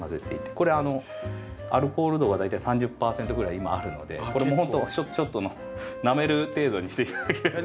これアルコール度が大体３０％ぐらい今あるのでこれもうほんとショットのなめる程度にして頂けると。